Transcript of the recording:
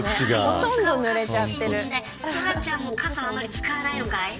トラちゃんもあんまり傘は使わないのかい。